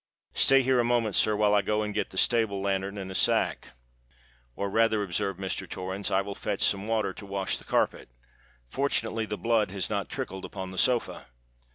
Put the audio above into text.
Stay here a moment, sir, while I go and get the stable lanthorn and a sack." "Or rather," observed Mr. Torrens, "I will fetch some water to wash the carpet; fortunately, the blood has not trickled upon the sofa."